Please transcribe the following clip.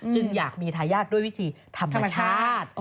จึงอยากมีทายาทด้วยวิธีธรรมชาติ